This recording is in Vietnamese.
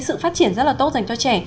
sự phát triển rất là tốt dành cho trẻ